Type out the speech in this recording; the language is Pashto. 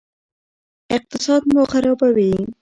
اقتصاد مو خرابوي.